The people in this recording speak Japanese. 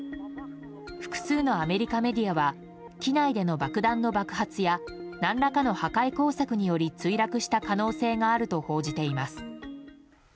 複数のアメリカメディアは機内での爆弾の爆発や何らかの破壊工作により墜落した可能性があると報じています。